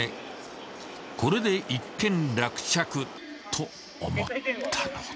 ［これで一件落着と思ったのだが］